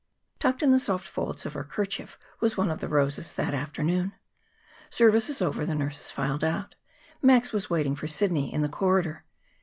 Tucked in the soft folds of her kerchief was one of the roses that afternoon. Services over, the nurses filed out. Max was waiting for Sidney in the corridor.